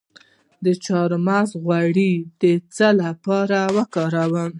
د چارمغز غوړي د څه لپاره وکاروم؟